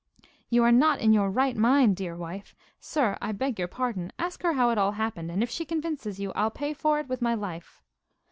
'You are not in your right mind, dear wife. Sir, I beg your pardon. Ask her how it all happened, and if she convinces you I'll pay for it with my life.